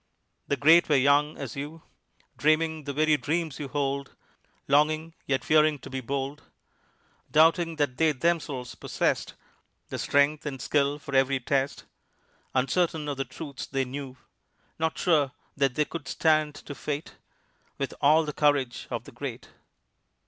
The great were young as you, Dreaming the very dreams you hold, Longing yet fearing to be bold, Doubting that they themselves possessed The strength and skill for every test, Uncertain of the truths they knew, Not sure that they could stand to fate With all the courage of the great.